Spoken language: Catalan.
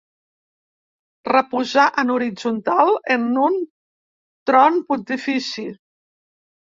Reposar en horitzontal en un tron pontifici.